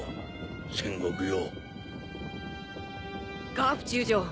ガープ中将。